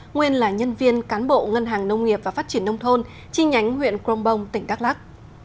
nguyên là nhân viên cán bộ ngân hàng nông nghiệp và phát triển nông thôn chi nhánh huyện crong bong tỉnh các lắc